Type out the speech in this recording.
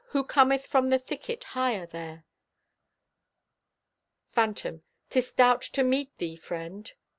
Who cometh from the thicket higher there? Phantom: 'Tis Doubt to meet thee, friend!